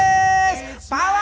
パワー！